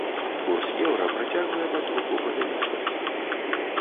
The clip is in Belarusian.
Курс еўра працягвае патроху павялічвацца.